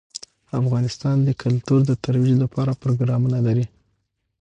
افغانستان د کلتور د ترویج لپاره پروګرامونه لري.